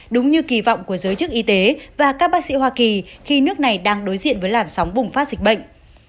đúng như kỳ vọng của giới chức y tế và các bác sĩ hoa kỳ khi nước này đang đối diện với làn sóng bùng phát dịch bệnh